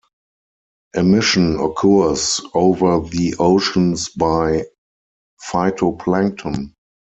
Emission occurs over the oceans by phytoplankton.